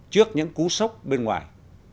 trước những cú sốc bên ngoài